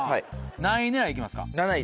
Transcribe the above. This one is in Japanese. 何位狙い行きますか？